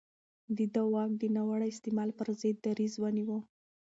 ده د واک د ناوړه استعمال پر ضد دريځ ونيو.